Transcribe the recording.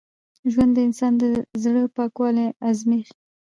ژوند د انسان د زړه پاکوالی ازمېيي.